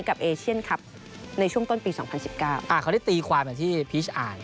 เขาได้ตีความหน่อยที่พีชอ่าน